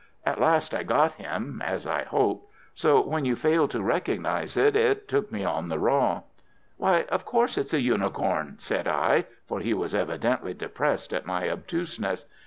At last I got him, as I hoped; so when you failed to recognize it, it took me on the raw." "Why, of course it's a unicorn," said I, for he was evidently depressed at my obtuseness.